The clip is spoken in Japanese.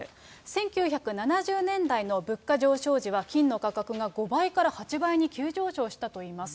１９７０年代の物価上昇時は金の価格が５倍から８倍に急上昇したといいます。